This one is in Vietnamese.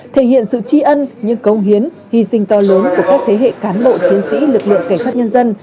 thể hiện sự tri ân những công hiến hy sinh to lớn của các thế hệ cán bộ chiến sĩ lực lượng cảnh sát nhân dân